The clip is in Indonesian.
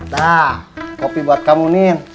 nah kopi buat kamu nin